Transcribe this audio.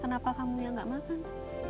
kenapa kamu yang nggak makan